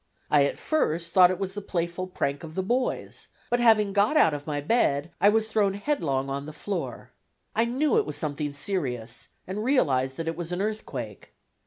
I at first thought it was the playful prank of the boys, but having got out of my bed, I was thrown headlong on the floor. I knew it was something serious and realized that it was an earthquake.